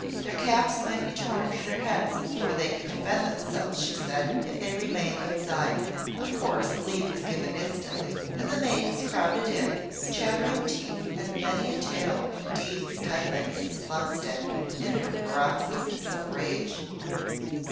Their caps might be torn from their heads before they could defend themselves, she said, if they remained outside. Of course, leave was given instantly, and the maids crowded in, with chattering teeth and many a tale of deeds done by Mrs Plumstead, in her paroxysms of rage.